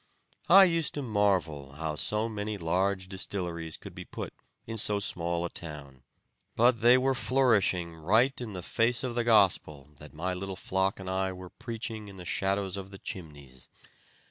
I used to marvel how so many large distilleries could be put in so small a town. But they were flourishing right in the face of the Gospel, that my little flock and I were preaching in the shadows of the chimneys.